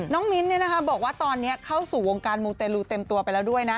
มิ้นบอกว่าตอนนี้เข้าสู่วงการมูเตลูเต็มตัวไปแล้วด้วยนะ